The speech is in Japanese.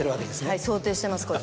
はい想定してます。